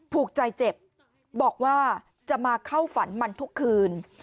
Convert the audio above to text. ผูกใจเจ็บบอกว่าจะมาเข้าฝันมันทุกคืน